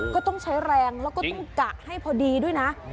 ก็ต้องใช้แรงแล้วก็ต้องกะให้พอดีด้วยนะ